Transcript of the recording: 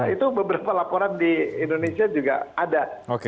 itu beberapa laporan di indonesia juga ada